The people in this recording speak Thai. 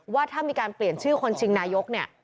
ว่าถ้ามีการเปลี่ยนชื่อคนชิงนายกเนี่ย